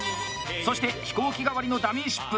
そして飛行機代わりのダミーシップ。